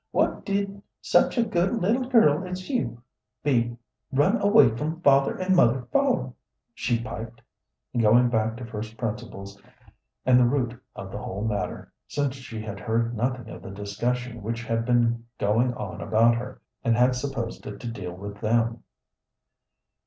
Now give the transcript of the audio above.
"What did such a good little girl as you be run away from father and mother for?" she piped, going back to first principles and the root of the whole matter, since she had heard nothing of the discussion which had been going on about her, and had supposed it to deal with them.